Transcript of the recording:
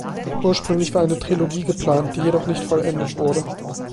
Ursprünglich war eine Trilogie geplant, die jedoch nicht vollendet wurde.